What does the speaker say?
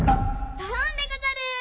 ドロンでござる。